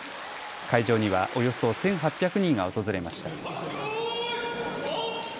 会場にはおよそ１８００人が訪れました。